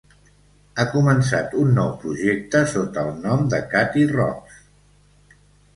Ha començat un nou projecte sota el nom de Katie Rox.